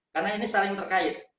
karena ini saling terkait